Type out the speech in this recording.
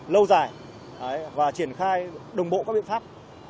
lâu dài và triển khai đồng bộ các biện pháp